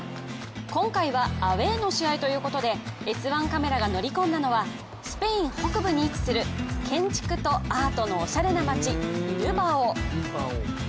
今回はアウェーの試合ということで「Ｓ☆１」カメラが乗り込んだのは、スペイン北部に位置する建築とアートのおしゃれな街ビルバオ。